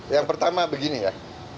yang pertama begini ya